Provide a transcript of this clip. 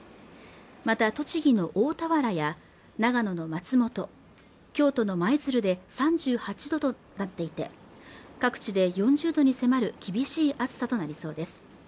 また栃木の大田原や長野の松本京都の舞鶴で３８度となっていて各地で４０度に迫る厳しい暑さとなりそうです